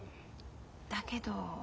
だけど。